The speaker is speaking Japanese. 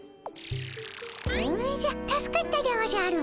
おじゃ助かったでおじゃる。